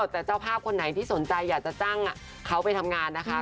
แต่เจ้าภาพคนไหนที่สนใจอยากจะจ้างเขาไปทำงานนะคะ